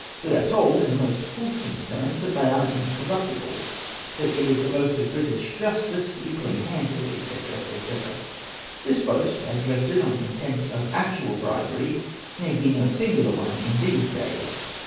We are told, in the most fulsome terms, that they are incorruptible, — that it is the boast of British justice to be clean handed, &'c. &c. This boast, as rested on a contempt of actual bribery, need be no singular one in these days.